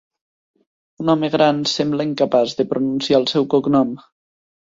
Un home gran sembla incapaç de pronunciar el seu cognom.